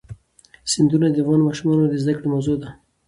سیندونه د افغان ماشومانو د زده کړې موضوع ده.